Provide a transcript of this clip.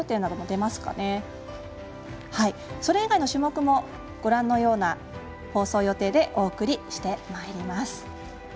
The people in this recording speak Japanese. それ以外の種目もご覧のような放送予定でお送りしてまいります。